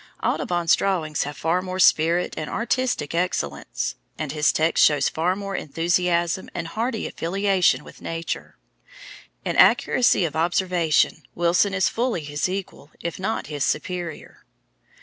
Audubon's drawings have far more spirit and artistic excellence, and his text shows far more enthusiasm and hearty affiliation with Nature. In accuracy of observation, Wilson is fully his equal, if not his superior.